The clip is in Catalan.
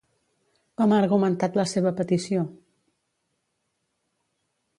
Com ha argumentat la seva petició?